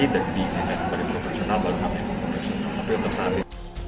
dan diizinkan oleh profesional baru namanya profesional